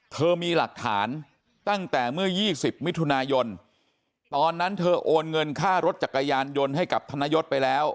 เธอมีหลักฐานตั้งแต่เมื่อ๒๐มิถุนายนตอนนั้นเธอโอนเงินค่ารถจักรยานยนต์ให้กับธนยศไปแล้ว